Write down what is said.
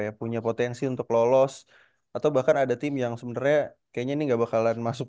yang punya potensi untuk lolos atau bahkan ada tim yang sebenarnya kayaknya ini enggak bakalan masuk